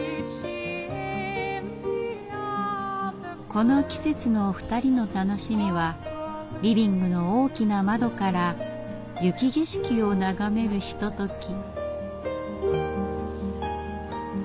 この季節の２人の楽しみはリビングの大きな窓から雪景色を眺めるひととき。